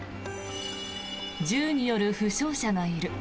銃による負傷者がいる。